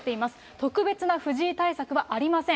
特別な藤井対策はありません。